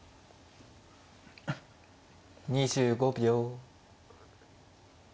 ２５秒。